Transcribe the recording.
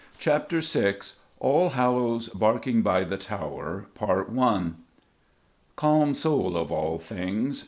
CHAPTER VI ALLHALLOWS BARKING BY THE TOWER Calm Soul of all things!